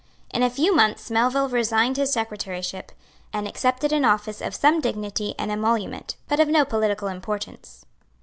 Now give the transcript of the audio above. In a few months Melville resigned his secretaryship, and accepted an office of some dignity and emolument, but of no political importance.